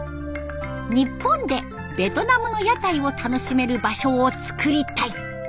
日本でベトナムの屋台を楽しめる場所を作りたい。